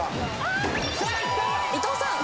伊藤さん